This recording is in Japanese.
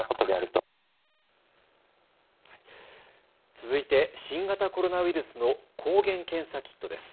続いて新型コロナウイルスの抗原検査キットです。